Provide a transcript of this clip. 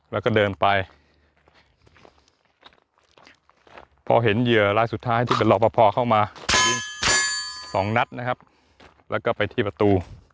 แล้วก็เดินไปพอเห็นเหยื่อรายสุดท้ายที่เป็นรอปภเข้ามายิงสองนัดนะครับแล้วก็ไปที่ประตู